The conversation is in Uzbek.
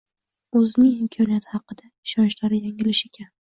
Oʻzining imkoniyati haqidagi ishonchlari yanglish ekan